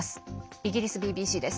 イギリスＢＢＣです。